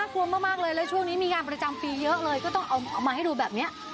กลัวมากเลยแล้วช่วงนี้มีงานประจำปีเยอะเลยก็ต้องเอามาให้ดูแบบนี้